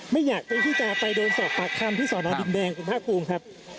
ไม่อยากที่จะไปโดรนสอบปากคลำที่ศรนดินแบงคุณพุทธภูมิครับ